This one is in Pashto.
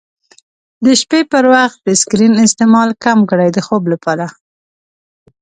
د شپې پر وخت د سکرین استعمال کم کړئ د خوب لپاره.